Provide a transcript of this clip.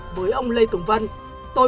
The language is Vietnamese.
tôi muốn những người tại thiên nam bên bờ của tôi